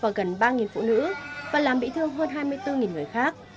và có hơn ba trăm linh trẻ em và gần ba phụ nữ và làm bị thương hơn hai mươi bốn người khác